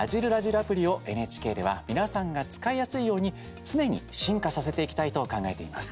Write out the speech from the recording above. アプリをＮＨＫでは皆さんが使いやすいように常に進化させていきたいと考えています。